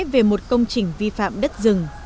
về một công trình vi phạm đất rừng